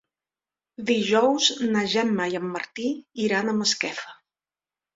Dijous na Gemma i en Martí iran a Masquefa.